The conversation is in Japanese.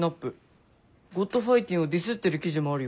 「ｇｏｄファイティン」をディスってる記事もあるよ。